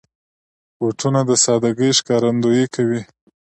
بوټونه د سادګۍ ښکارندويي کوي.